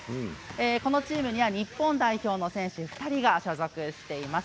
このチームには日本代表の選手２人が所属しています。